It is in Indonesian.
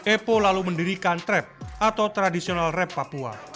epo lalu mendirikan trap atau tradisional rap papua